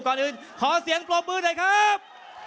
ก่อนอื่นขอเสียงปรบมือหน่อยครับ